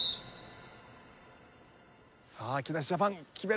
さあ木梨ジャパン決めれば逆転。